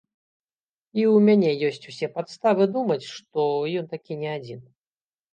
І ў мяне ёсць усе падставы думаць, што ён такі не адзін.